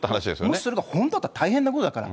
もしそれが本当だったら大変なことだから。